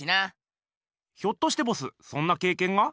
ひょっとしてボスそんなけいけんが？